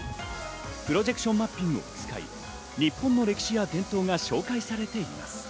プロジェクションマッピングを使い、日本の歴史や伝統が紹介されています。